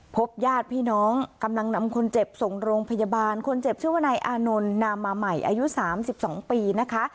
พบญาติพี่น้องกำลังนำคนเจ็บส่งโรงพยาบาลคนเจ็บชื่อว่านายอานนท์นามาใหม่อายุ๓๒ปีนะคะ